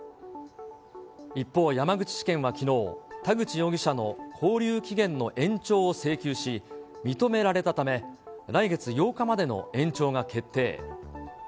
一方、山口地検はきのう、田口容疑者の勾留期限の延長を請求し、認められたため、来月８日までの延長が決定。